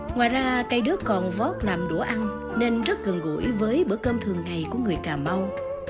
ngoài ra cây đước còn vót làm đũa ăn nên rất gần gũi với bữa cơm thường ngày của người cà mau